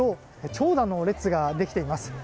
長蛇の列ができています。